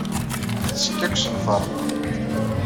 Tettekka deg usenfar-nneɣ.